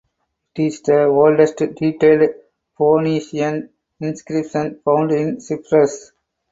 It is the oldest detailed Phoenician inscription found in Cyprus.